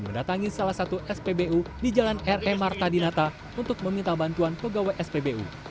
mendatangi salah satu spbu di jalan re marta dinata untuk meminta bantuan pegawai spbu